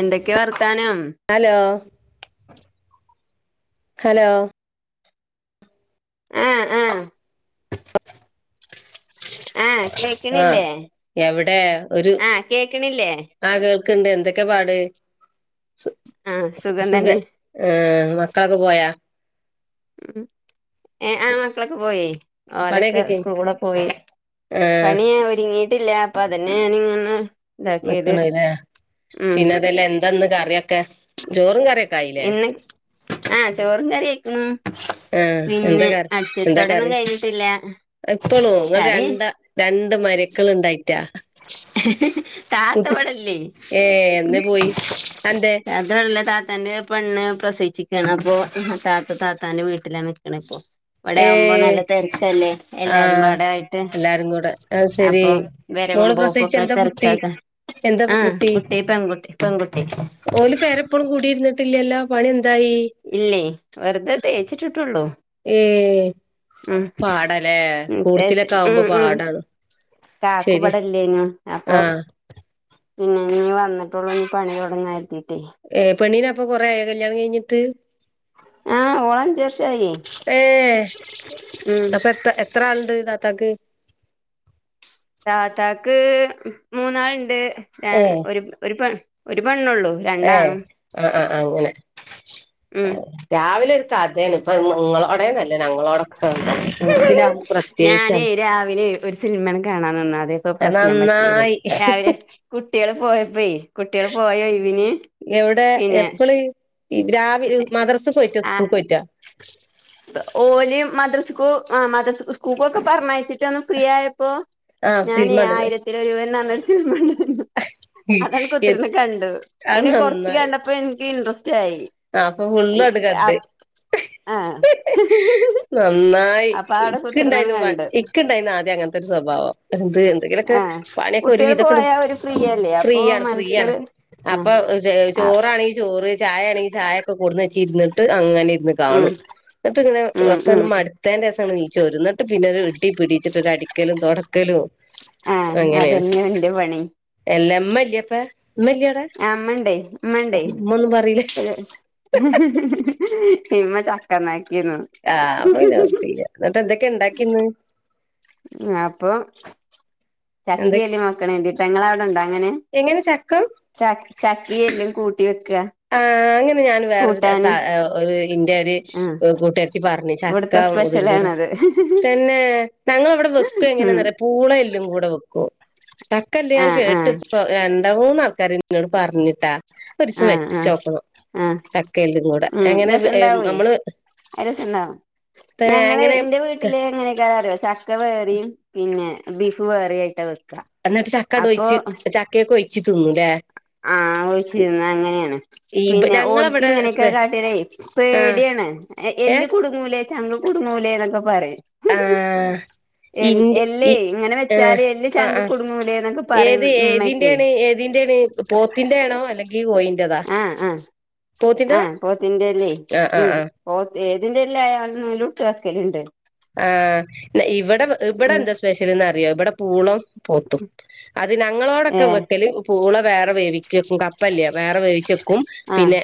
എന്തൊക്കെ, വർത്താനം? Hello hello ആ ആ ആ ആ എവിടെ ഒരു ആഹ് കേക്കണില്ലേ ആ കൾക്കുന്നുണ്ട് എന്തൊക്കെ ഒക്കെ പാട് ആഹ് സുഖം സുഖ തന്നെ ആ ആ മക്കളൊക്കെ, പോയാ? ഉം, ഏ, ആ, മക്കളൊക്കെ, പോയി. ഓലൊക്കെ, പണിയൊക്കെ കെ സ്കൂൾ, പോയി, ആഹ് പണി, ഒരുങ്ങിട്ടില്ല, അപ്പ അതന്നെ, ഞാനിങ്ങന്നെ, ഇതാക്കിയത്, നിക്കണല്ലേ ഉം. പിന്നെ അതല്ല എന്താന്ന് കറിയൊക്കെ ചോറും കറിയും ഒക്കെ എന്ത് ആ ചോറും കറിയും ആയിക്കുന്നു ആ എന്താ കറി എന്താ കറി കഴിഞ്ഞിട്ടില്ല ഇപ്പോളും കറി നിങ്ങൾക്ക് രണ്ട് മരുമക്കൾ ഉണ്ടായിട്ടോ താത്ത ഇവിടെ ഇല്ല ഏഹ് എന്നേ പോയി അന്തേ അതല്ല താ താത്താന്റെ പെണ്ണ് പ്രസവി ച്ചിക്കുന്നു അപ്പൊ താത്ത താത്താന്റെ വീട്ടിലാണ് നിൽക്കുന്നെ ഇപ്പൊ ഇവിടെയാവുമ്പോ ഏഹ് നല്ല തിരക്കാല്ലേ എല്ലാരും ആഹ് പാടായിട്ട് എല്ലാരും കൂടെ അത് ശരി അപ്പൊ വരവും മോള് പ്രസവിച്ച പോക്കൊഒക്കെ എന്താ കുട്ടി ആയിട്ട് [unintelligible] ആ കുട്ടി പെൺകുട്ടി പെൺകുട്ടി ഓല് പേരെപ്പളും കൂടിയിരുന്നിട്ടില്ലല്ലോ പണി എന്തായി ഇല്ലേ വെറുതെ തേച്ചിട്ടിട്ടുള്ളൂ ഏ ഉം പാടല്ലേ കൂർത്തിലൊക്കെ ആവുമ്പോ പാടാണ് ശരി കാക്കുഇവിടെ ഇല്ലെന്നും അപ്പൊ ആഹ് നീ വന്നിട്ടുള്ളൂ നീ പണി തൊടങ്ങായിരിക്ക ഏ പെണ്ണിനെ അപ്പൊ കുറെ ആയോ കല്യാണം കഴിഞ്ഞിട്ട് ആഹ് ഓള് അഞ്ച് വർഷായി ഏ ഉം അപ്പൊ എത്ര എത്ര ആൾണ്ട് താത്താക്ക് മൂന്നാൾ ഉണ്ട് ഏ ഒരു പെണ്ണും പെണ്ണാള്ളൂ ഏ രണ്ടാണും ആഹ് ആഹ് അങ്ങനെ ഉം രാവിലെ ഒരു കഥയാണ് ഇപ്പ ഇ ങ്ങളോടന്നല്ലേ ഞങ്ങളോടൊക്കെ [unintelligible] പ്രത്യേകിച്ച ഞാനേ രാവിലെ ഒരു [unintelligible] പ്രശ്നം പറ്റിയത് രിലെ കുട്ടിള് പോയപ്പോയി പോയയിവിന് എവിടെ പിന്നെ എപ്പള് രാവിലെ മദ്രസക്ക് പോയിറ്റ ആ സ്കൂൾക്ക് പോയിറ്റാ ഓല് മദ്രസക്കു ആ മത സ്കൂക്കൊക്കെ പറഞ്ഞയച്ചിട്ട് ഒന്ന് ഫ്രീ യായപ്പോ ആഹ് ഞാനേ സിനിമ കണ്ട് ആയിരത്തില രൂവൻ നന്നാ അതാണ് കുതിർന്ന് കണ്ടു അത് അയ്ന് കൊർച്ച് നന്നായി കണ്ടപ്പോ എൻ ഇൻറസ്റ്റ് ആയി അപ്പൊ ഫുൾ ഈ, അ ക്കണ്ട് ആഹ് നന്നായി അപ്പൊ അവിടെ ഇക്ക് കുത്തിരുന്നത് ഇണ്ടായിന്ന് കണ്ട് ഇക്ക് ഇണ്ടായിന്ന് ആദ്യം അങ്ങനത്തെ ഒരു സ്വഭാവം എന്ത് എന്തെങ്കിലൊക്കെ ആഹ് പണിയൊക്കെ ഒരു കുട്ടികൾ വിധൊക്കെ പോയാ ഒരു ഫ്രീ അല്ലേ ഫ്രീ അപ്പൊ ആണ് ഫ്രീയണ് മനസ്ക്കൊരു ആഹ് അപ്പൊ ആഹ് ചോറാണെങ്ക ചോറ് ചായ കൊടുന്നുവെച്ച് ഇര്ന്നിട്ട് അങ്ങനെ ഇര്ന്ന് ഉം കാണും [unintelligible] ഇങ്ങനെ ഉം ഒക്കെ ഉം മടുത്തതിന്റെ ശേഷം [unintelligible] എണിറ്റു പോരും എന്നിട്ട് പിന്നെ കുട്ടി പിടിച്ചിട്ട് അടിക്കലും തുടക്കലും ആഹ് അങ്ങനെ അതന്നെ എന്റെ പണി എല്ലാം ഇമ്മ ഇല്ല്യയെ അപ്പോ ആ അമ്മണ്ടേ മ്മണ്ടേ ഉമ്മ ഒന്നും പറയില്ല [unintelligible] ആ പോയിന്നു എന്നിട്ട് എന്തൊക്കെ ഇണ്ടാക്കിന്ന് അപ്പൊ ചക്കി എന്തൊക്കെ എല്ലി മോക്കണ വേണ്ടിട്ടാ ങ്ങളെ അവിടെണ്ടോ അങ്ങനെ എങ്ങനെ ചക്ക ചക്കയെല്ലും കൂട്ടി വെക്ക ആ അങ്ങനെ ഞാൻ വേറരു കൂട്ടാന് ഒരു ഇന്റെ ഒര് കൂട്ടുകര്ത്തി പറഞ്ഞ് ചക്ക ഇതും സ്പെഷ്യല കൂടെ ആണത് തന്നെ ഞങ്ങളവിടെ വെക്ക ഉം എങ്ങനെയന്ന- റിയ പൂള എല്ലും കൂടെ വെക്കും. ടക്കല്ല ഞാൻ ആഹ് കേട്ട്. ആഹ് [unintelligible] ആൾക്കാർ എന്നോട് പറഞ്ഞിട്ടാ, ഒരുസം വെ- ആഹ് ആഹ് ചോക്കണം ആഹ് ചക്ക എല്ലു കൂടെ, എങ്ങനെ നമ്മള്. അ രസണ്ടാവും, ഞങ്ങള് എങ്ങനെ ഇന്റെ വീട്ടില് എങ്ങനെയെക്കാ അറിയോ ചക്ക വേറിയിം പിന്നെ. ബീഫ് വേറെ ആയിട്ട വെ എന്നിട്ട് ചക്കണ്ട് അപ്പൊ ഒഴിച്ച് ചക്കയൊക്കെ ഒഴിച്ച് തിന്നുംല്ലേ ആ തിന്ന അങ്ങനെയാണ് ഈ ബ- പിന്നെ ഓൽക്ക് ഞങ്ങളവിടെ ഇങ്ങനെയെക്ക സ്പെ [unintelligible] ആഹ് പേടിയാണ് എല്ല് ഏഹ് കുടുങ്ങൂലേ ചങ്കിൽ കുടുങ്ങൂലേ എന്നൊക്കെ പറയ് ആ.. ! ഇന്റെ എല്ലേ ഇ ഇങ്ങനെ ആ... വെച്ചാല് എല്ല് ആ.. ചങ്ക് ആ.. കുടുങ്ങൂലേ എന്നൊക്കെ പറയും ഏത്, ഉമ്മക്കെ ഏതിന്റെണ് ഏത് - [unintelligible] പോത്തിന്റെണോ? അല്ലെങ്കി! ആ... ആ... ആ.. പോത്തിന്റെതാ പോത്തിന്റെല്ലേ ആ ആ ഉം ആ പോ- ഏതിൻന്റെല്ലാ [unintelligible] ഇട്ട് വക്കലിണ്ട്. ആ... ഇവിടെ ഇവിടെ ഉം എന്താ സ്പെഷ്യൽന്ന് അറിയോ, ഇവിടെ പൂളോ, പോത്തും അത് ഏ ഞങ്ങളോടൊക്കെ വെക്കല് പൂള വേറെ വേവിക്കു- കെക്കും കപ്പല്ലേ വേറെ വേവിച്ചെക്കും ആഹ് പിന്നെ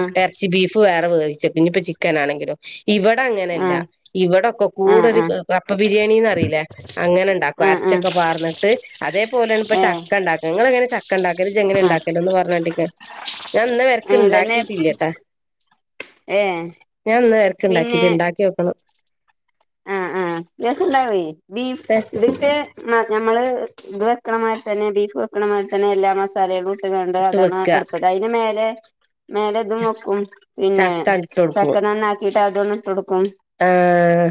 ആഹ് ഇർച്ചി ബീഫ് വേറെ വേവിക്കും. ഇനിപ്പോ ചിക്കൻ ആണെങ്കിലും. ഇവിടെ അങ്ങനെയല്ല ആഹ് ഇവിടൊക്കെ- കൂട ആഹ് ഒരു ആഹ് കപ്പ ബിരിയാണിന്ന്റിയില്ലേ അങ്ങനെ ഉണ്ടാക്കും. ആഹ് ആഹ് അരച്ചക്കൊക്കെ പാർന്നിട്ട് അതേപോലെയാണ്, ഏ ചക്കണ്ടാക്ക. നിങ്ങളങ്ങനെ ചക്കണ്ടാക്ക ഇജ്ജെങ്ങനെ ആഹ് ഉണ്ടാക്കല് ഒന്ന് പറഞ്ഞിണ്ടിക്കാ? ഞാൻ ഇന്ന് വരക്ക് ഇതന്നെ ഇണ്ടാക്കിട്ടില്ലട്ടാ. ഏ ഞാൻ ഇന്ന് ഇരക്ക് ഉണ്ടാക്കിട്ട ഇണ്ടാക്കി നോക്കണം. ആ.. ആ.. രസണ്ടാവേ, ബീഫ് ഇതിത്തെ നമ്മള് - ഇത് വെക്കണമാതിരി തന്നെ ബീഫ് വെക്കണമാരി തന്നെ, എല്ലാ മസാലകളും ഇട്ട്കാണ്ട് ഇട്ട് അതാണ് വെക്ക എടുത്തത് അതിന് മേലെ- മേലെതും വോക്കും, പിന്നെ ചക്ക ചക്ക നന്നാക്കിട്ട് അതൊന്നിട്ടോടുക്കും. ആഹ... !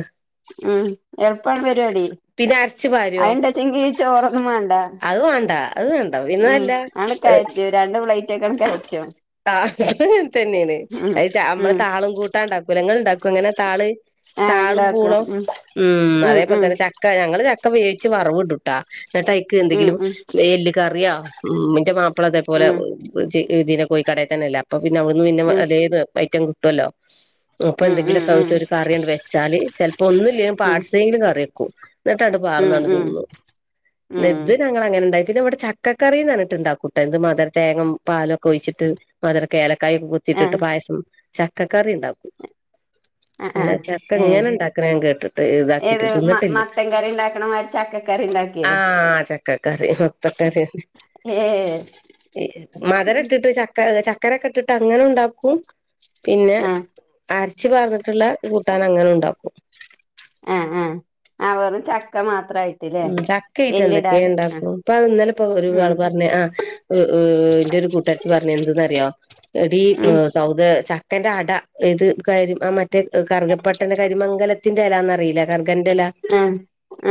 ഉം എളുപ്പം പരിപാടി, പിന്നെ അരച്ചു പാരോ അയിന്റെ ചെക്കിൽ, [unintelligible] വേണ്ട അത് വേണ്ട അത് വേണ്ട ഉം പിന്നല്ല ആന്ന് കയറ്റോ രണ്ട് പ്ലേറ്റ് ഒക്കെ കയറ്റും. ത തന്നെയാണ് ഉം അത് നമ്മെ ഉം താളും കൂട്ടാണ്ടാക്കുല്ലേ, ഇങ്ങൾ ഉണ്ടാക്കോ അങ്ങനെ താള്? ആഹ ഉണ്ടാക്കും. പുള ഉം അതേപോലെ തന്നെ ചക്ക ഞങ്ങള് ചക്ക വേവിച്ച് വറവ് ഇടു ട്ടാ. എന്നട്ടയിലേക്ക് ഉം എന്തെങ്കിലും ഉം എല്ല് കറിയാ ഉം.. എന്റെ മാപ്പിള അതേപോലെ ഉം ഇതിന- കോയിക്കടയിൽ തന്നെല്ലേ അപ്പോ പിന്നെ അവിടുന്ന് പിന്നെ ഉം അതത് ഐറ്റം കിട്ടുവല്ലോ. അപ്പൊ ഉം ഉം ഉം എന്തെങ്കിലുമൊക്കെ അടുത്ത ഉം ഒരു കറിയണ്ട് വെച്ചാല് ചിലപ്പോ ഒന്നൂല്ലെകിലും പാട്സെങ്കിലും കറി വെക്കും. എന്നിട്ടങ്ങട് ഉം ഉം പാറന്നണ്ട് ഉം തിന്നു പിന്നെ ഉം ഇത് ഞങ്ങ അങ്ങനെണ്ടായി. പിന്നെ ഇവിടെ ചക്കകറി ന്നറി- ന്നിട്ട്ണ്ടാക്കൂട്ടെ ഇത് മധുര തേങ്ങ, പാലുക്കെ ഒഴിച്ചിട്ട് മധര, ഏ - കൈക്കെ കുത്തിട്ടിട്ട് ആഹ് പായസം, ചക്കക്കറി ഉണ്ടാക്കും. ആഹ് എല്ലാ ആഹ് ചക്ക ഏഹ് ഇങ്ങനെ ഉണ്ടാക്കണ ഞാൻ കേട്ടിട്ട് ഇതാക്കിട്ട് ഏത് മ തിന്നിട്ടില്ല. മത്തൻ കറി ഉണ്ടാക്കണ മാതിരി ചക്കക്കറി ഉണ്ടാക്കിയേ ആഹ... ചക്കക്കറി മുത്തകറി. ഏഹ് മതരട്ടിട്ട ചക്ക. ചക്കരക്കെ ഇട്ടിട്ട് അങ്ങനെ ഉണ്ടാക്കും പിന്നെ, ആഹ് ജ്ജ് പറർന്നിട്ടുള്ള കൂട്ടാൻ അങ്ങനെ ഉണ്ടാക്കും. ആ.. ആ.. വറും ചക്ക മാത്രം. ഉം ചക്കയിട്ട എന്തൊക്കെയ ആഹ് ഉണ്ടാക്കും, അപ്പ അ ഇന്നലെ- ഇപ്പോ ഉം ഒരാള് പറഞ്ഞ ആ... ! എ ഒരു കൂട്ടരത്തി പറഞ്ഞ എന്തറിയോ എടി ഉം സൗദേ.. ന്റെ അട ഏത് കാര് ആ മറ്റേ- കർഗപ്പട്ടന്റെ കരിമംഗലത്തിന്റെ ഇലന്ന്റിയില്ലേ. കണ്ടല ആഹ്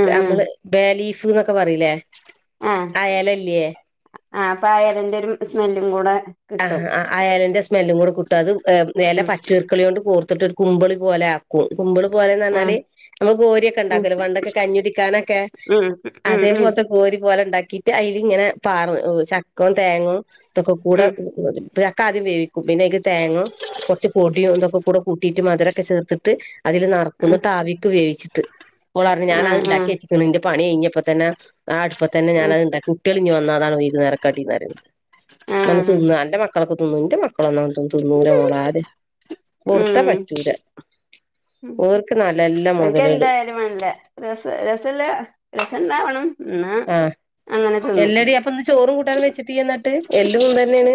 ആഹ് നമ്മള്. ലിഫ്നോക്കെ പറയിലേ അയാലല്ലേ. ആ് അപ്പ ആ.. ഇലന്റെ ഒരു സ്മെല്ലും കൂടെ. കിട്ടും ആഹ് അയലന്റെ സ്മെല്ലും കൂടി കിട്ടും അത് ഉം പച്ചീർക്കളി കൊണ്ട്. ഇട്ടൊരു കുമ്പളി പോലെ ആക്കും. മുമ്പിള് പോലെന്ന് ആഹ് പറഞ്ഞാല്, നമ്മക്ക് ഗോരിക്കെ ഉം ഉണ്ടാക്കല്ലോ പണ്ടൊക്കെ കഞ്ഞിടിക്കാനൊക്കെ. ഉം ഉം അതേപോലത്തെ കോരി പോലെ ഉണ്ടാക്കിട്ട് അതിൽ ഇങ്ങനെ പാറ് ചക്കോം തേങ്ങും ഇതൊക്കെ കൂടെ ഉം ഉം [unintelligible] ക്കെ ആദ്യം വേവിക്കും പിന്നെ അയ്ക്ക് തേങ്ങ കുറച്ച് പൊടിയോ ഇതൊക്കെ കൂടെ കൂട്ടിയിട്ട് മധുരൊക്കെ ചേർത്തിട്ട് അതിൽ നിറക്കുന്ന ആഹ് ടാവവിക്ക് വേവിച്ചിട്ട്, ഓളറഞ്ഞു ഞാനത് ആഹ് ഉണ്ടാക്കി അച്ചക്കുണുന്. പണി കഴിഞ്ഞപ്പോ തന്നെ ആ അടുപ്പ ആഹ് തന്നെഞാനത്ണ്ട കുട്ടികളി വന്നാതാണ് വൈകുന്നരക്കടി ന്ന് പറയുന്നത്. ആഹ.. ! അന്റെ മക്കൾക്ക് തിന്നോ ന്റെ മക്കളൊന്നാ തുന്നൂല മോളാതെ വ്ടുത്ത പറ്റൂല്ല ഉം ഒന്ക്ക് എന്തായാലും വേണല്ല രസ രസല്ല രസം ഇണ്ടാവണം ആ എല്ലടി അപ്പൊ ഇന്ന് ചോറും കൂട്ടാനും വെച്ചിട്ടയിനട്ട് എല്ലുംന്തു തന്നെയാണ്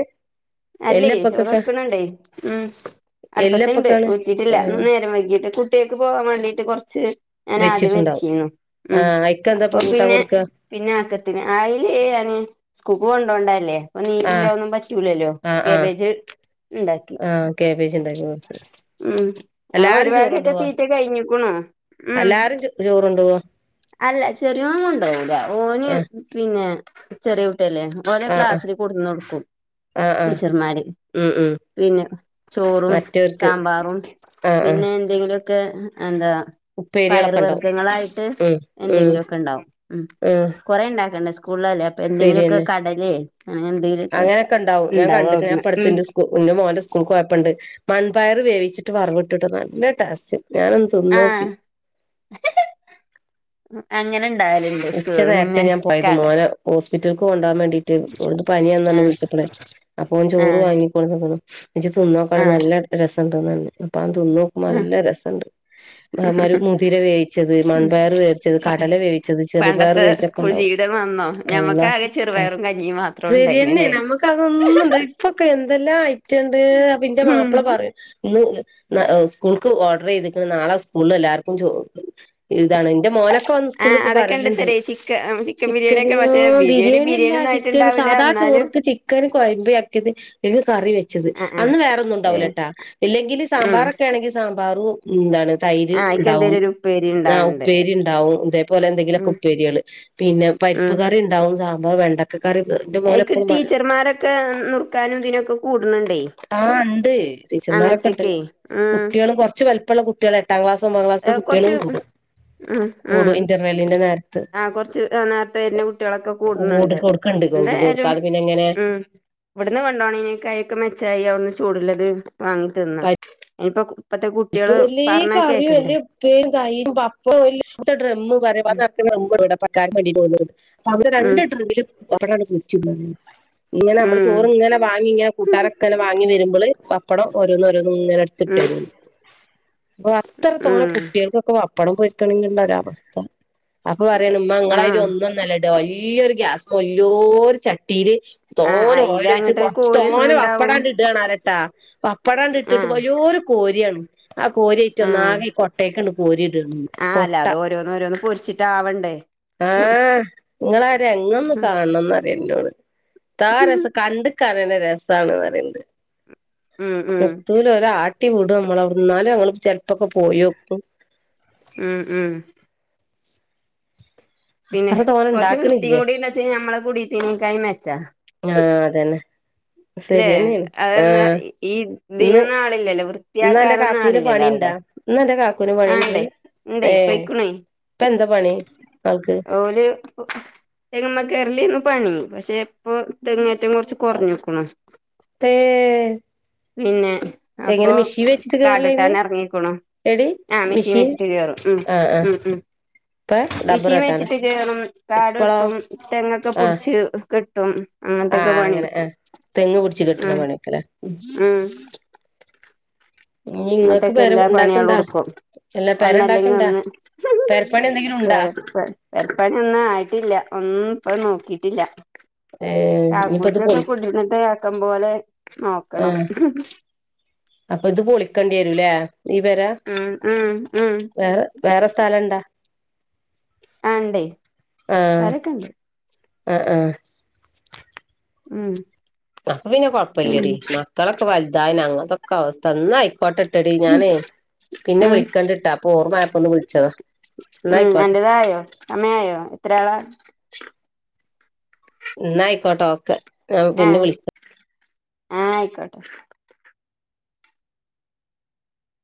അല്ലേ ചോറ് വക്കണണ്ടേ ഉം അടുപ്പത്തിണ്ട് എല്ലപ്പൊക്കാണ് ഊറ്റിട്ടില്ല ആഹ് ന്ന് നേരം വൈകിട്ട് കുട്ടികേക്ക് പോകാൻ വേണ്ടിട്ട് കുറച്ച് ഞാനദ്യം വെച്ചിട്ടുണ്ടാവും വെച്ചിന്നു ഉം ആഹ് അയിക്കെന്താപ്പൊ അപ്പൊ കൂട്ടാൻ പിന്നെ കൊടുക്ക പിന്നെ ആക്കത്തിന് അയില് ന കുക്ക് കൊണ്ടോണ്ടല്ലേ അപ്പൊ നീവല്ല ആഹ് ഒന്നും പറ്റൂലല്ലോ കേബേജ് ഇണ്ടാക്കി ആ കാബേജ് ഇണ്ടാരുന്നു ഉം ഉം ഉം ആ ഒരു എല്ലാരും ചോറ് ഭാഗൊക്കെ കൊണ്ടോവോ തീറ്റ കഴിഞ്ഞിക്കുണു ഉം എല്ലാരും ചോറ് കൊണ്ടോവോ? അല്ല ചെറിയോൻ കൊണ്ടോവൂല ഓന് ആഹ് പിന്നെ ചെറിയ കുട്ട്യല്ലേ ഓര ആഹ് ആഹ് ക്ലാസ്സില് കൊണ്ടെന്ന് കൊടുക്കും ആഹ് ആഹ് ടീച്ചർമാര്. ഉം ഉം പിന്നെ ചോറും മറ്റവർക്ക് സാമ്പാറും ആഹ് ആഹ് പിന്നെ എന്തെങ്കിലു ക്കെ എന്താ പയർ ഉപ്പേരികളൊക്കെ ഉണ്ടാവും വർഗ്ഗങ്ങളായിട്ട് ഉം ഉം എന്തെങ്കിലും ഒക്കെ ഉണ്ടാവും ഉം കൊറെ ഇണ്ടാക കൂളല്ലേ അപ്പൊ എന്തെങ്കിലുമൊക്കെ ശരിയന്നെ കടലേ അങ്ങനെ എന്തെങ്കിലുമൊക്കെ അങ്ങനെയൊക്കെ ഉണ്ടാവടുന്ന് ഉം. ന്ന് മോന്റെ സ്കൂൾക്കൊയ്പ്ണ്ട് വൻപയർ വേവിച്ചിട്ട് വറവ് ഇട്ടിട്ട് നല്ല ടേസ്റ്റ്. ഞാനന്ന് ആഹ് തിന്നോക്കി. അങ്ങനെ ഉണ്ടാവലുണ്ട് ഉച്ച സ്കൂളില് നേരത്തെ പിന്നെ ഞാൻ പോയത് കട മോനെ ഹോസ്പിറ്റല്ക്ക് കൊണ്ടോവാൻ വേണ്ടിട്ട് വിടെന്ന് പനിഅന്നുപറഞ്ഞ് ആഹ് വിളിച്ച അപ്പൊ ഓൻ ചോറ് ആഹ് വാങ്ങി [unintelligible] നല്ല രസം തിന്നോക്കുമ്പ നല്ല രസണ്ട്. മ മുതിര വേവിച്ചത് വൻപയർ വേവിച്ചത് ആഹ് കടല വേവിച്ച ചെറുപയർ പണ്ടത്തെ സ്കൂൾ വേവിച്ചക്കെണ്ടാവും ജീവിതം വന്നോ ഞമ്മക്ക് ആകെ അല്ലാഹ് ചെറുപയറും കഞ്ഞിയും മാത്രം ശരിയന്നെ ഉണ്ടായിന്നല്ലേ ന ന്ന ഇപ്പൊക്കെ എന്തെല്ലാം ഐറ്റുണ്ട് അപ്പൊ എൻ്റെ ഉം മാപ്പിള പറയും [unintelligible] സ്കൂൾക്ക് ഓർഡർ ചെയ്തിക്കുന്ന നാളെ സ്കൂളിൽ എല്ലാർക്കും ഇതാണ് എന്റെ മോനൊക്കെ വന്ന് ആ [unintelligible] അതൊക്കെ ഉണ്ട് പറയലുണ്ട് തരേ ചിക്ക ചിക്കൻ ചിക്ക ബിരിയാണി ഒക്കെ പക്ഷെ ബിരിയാണി ബിരിയാണില്ല ബിരിയാണി ഒന്നും ചിക്കൻ ആയിട്ടുണ്ടാവില്ല സാധാ ചോർ എന്നാലും ചിക്കന് കൊഴമ്പ ആക്കിയത് കറി വെച്ചത് ആ ആ അന്ന് വേറ ഒന്നും ഏ ഉണ്ടാവില്ലട്ടാ ഇല്ലെങ്കിൽ സ ഉം മ്പാറൊക്കെ ആണെങ്കിൽ സാമ്പാറും എന്താണ് തൈര് ആ അയിക്ക് ഉണ്ടാവും എന്തേലും ഒരു ഉപ്പേരി ആ ഉണ്ടാവണുണ്ട് ഉപ്പേരി ണ്ടാവും അതുപോലെ എന്തെങ്കിലും ഉം ഉപ്പേരികള് പിന്നെ പരിപ്പ്കറിണ്ടാവും സാമ്പാർ വെണ്ടക്ക കറി എന്റെ മോന് എക്ക് എപ്പോഴും പറയും ടീച്ചർമാരൊക്കെ നുറുക്കാനും ഇതിനൊക്കെ കൂടുന്നുണ്ടേ. ആ ണ്ട് ടീച്ചർമാരൊക്കെ ഉണ്ടല്ലോ ഉം കുട്ടികളും കുറച്ച് വലിപ്പോള്ള കുട്ടികള എട്ടാം ക്ലാസ് ഒമ്പത് ക്ലാസ്സിലെ കൊറച്ച് കുട്ടികളും കൂടും ഉം ഉം കൂടും ഇന്റർവെലിന്റെ നേര ആ കൊറച്ച് നേരത്തെ വരുന്ന കുട്ടികളൊക്കെ കൂടു കൂടുന്നുണ്ട്. കൊടുക്കണ്ട് കൂടു എന്തായാലും കൊടുക്കാതെ പിന്നെ എങ്ങനെ ഉം ഇവിടന്ന് കൊണ്ട്പോണേനെകായി ക്കെ മെച്ചവായി [unintelligible] ചൂടുള്ളത് വാങ്ങി തിന്ന ഇനിപ്പ ഇപ്പതല്ലേ കറി ഉം ഉം [unintelligible] [unintelligible] ഇങ്ങനെ നമ്മള് ഉം ചോറ് ഇങ്ങനെ വാങ്ങിങ്ങനെ കൂട്ടാനൊക്കെങ്ങെ വാങ്ങി വരുമ്പോള് പപ്പടംഓരോന്ന്‌ ഒ ഉം [unintelligible] അപ്പൊ അത്ര തോണ ഉം കുട്ടികൾക്കൊക്കെ പ്പടം പൊരിക്കാനെങ്കി ഒരവസ്ഥ അപ്പൊ പറയും ഉമ്മ ആഹ് [unintelligible] വലിയൊരു ഗ്യാസ വല്ലോ ഒരു ചട്ടിയില് ആഹ് തോനേ അയില ഓയിൽ ഒയിച്ച് അങ്ങട്ട് കൊറച്ച് തോന കോരിടണുണ്ടാവും പപ്പടാണ്ട് ഇടാണോലെ ട്ടാ പപ്പടാണ്ട് ഇട്ടിട്ട് ആഹ് വല്യൊരു ഒരു കോരിയാണ് ആ കോരിയറ്റൊന്നാകെ ഈ കൊട്ടേക്കണ്ട് കോരി ഇട്ട് ആ അല്ല അത് ഓരോന്ന് ഓരോന്ന് പൊരിച്ചിട്ട് ആവണ്ടേ. ആ നിങ്ങളാര എങ്ങ ഒന്ന് ഉം കാണണന്ന്റയും എന്നോട് താ രസം കണ്ടക്കാനെ രസാണ് റയുന്നത്. ഉം നിർത്തൂല ഒര ആട്ടി വിടും നമ്മളവിടെ ന്നാലും ഞങ്ങള് ചെലപ്പൊക്കെ പോയി ക്കും. ഉം ഉം. പിന്നെ അത്ര തോനെ കുറച്ച് വൃത്തിയും ഇണ്ടാക്കണില്ലേ കൂടി ഉണ്ട വച്ച നമ്മളെ കുടത്തിനേക്കായ മെച്ചാ. ആ അതന്നെ. ല്ലേ ശരിയെന്നാണ് ആ അതെന്നാ ഈ ഇന്ന് ഇതിനൊന്നും ആളില്ലല്ലോ ഇന്ന് അന്റെ വൃത്തിയാക്കാനൊന്നും കാക്കൂവിന് ആളില്ലല്ലോ പണി അവിടെ ല്ല കാക്കുന് ആ ഇണ്ടേ പണിണ്ടറി ഇണ്ടേ ഏ ഇപ്പ എന്താ പണി? ആൾക്ക് ഓര് തെങ്ങുമ്മ കേറല്. പണി പക്ഷെ ഇപ്പൊ തെങ്ങേറ്റം കുറച്ച് കുറഞ്ഞുക്കുണു ഏ. പിന്നെ അപ്പൊ കാട് വെട്ടാൻ കേറലേന്ന് ഇറങ്ങിക്കുണു. എടി ആഹ മെഷീൻ മിഷീൻ വെച്ചിട്ട് കേറും ഉ ആ ആ ഉ ഉ ഇപ്പ ഡബ്ബർ മഷീൻ വെട്ടാനാ വെച്ചിട്ട് കേയറും കാട് ഇപ്പളോ വെട്ടും തെങ്ങൊക്കെ ആ പുടിച്ച് കെട്ടും ട്ടും ആ അങ്ങനത്തൊക്കെ അങ്ങനെ ആ പണിെടുക്കും തെങ്ങ് പിടിച്ച് കെട്ടണ പണിക്കെലേ അങ്ങനത്തക്കെ എല്ലാ പണ്യാലും ഇണ്ടാക്ക്ണ്ടാ ഇടുക്കും എല്ലാ പെര ഒന്നല്ലെങ്കിൽ ഇണ്ടാക്ക്ണ്ടാ ഒന്ന് പെരപ്പണി എന്തെങ്കിലും ഉണ്ടാ പെരപ്പണി ഒന്നും ആയിട്ടില്ല ഒന്നും പ്പൊ നോക്കിട്ടില്ല ഏ ഇനിയിപ്പ ഇത് കാക്കൂന്റൊക്കെ പൊളി കുടിരുന്നിട്ട് ആക്കമ്പോലെ ആ നോക്കണംഹും ഹും അപ്പൊ ഇത് പൊളി ക്കണ്ടി രൂല്ലേ ഈ പെര ഉം ഉം ഉം വേറെ വേറെ സ്ഥലം ഇണ്ടാ ആണ്ടേ സ്ഥലക്കണ്ട് അ ആ ഉം അപ്പൊ പിന്നെ ഉം കൊഴപ്പില്ലടി മക്കളൊക്കെ വലുതായി നങ്ങക്കൊക്കെ ഒക്ക അവസ്ഥന്ന ന്നാ ആയിക്കോട്ടെഡി ഞാനെയ് പിന്നെ ഉം വിളിക്കണ്ടിട്ടാ അപ്പൊ ഓർമ്മയപ്പ ഒന്ന് വിളിച്ചതാ ഉം എന്നായിക്കോട്ടെ അന്റതായോ സമയായോ എത്രയാളാ ഇന്നയിക്കോട്ടോ ഒക്കെ ഞാൻ പിന്നെ വിളിക്കാം ആഹ ആയിക്കോട്ടെ